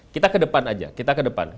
kita ke depan aja kita ke depan